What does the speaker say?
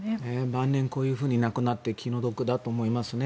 晩年こういうふうに亡くなって気の毒だと思いますね。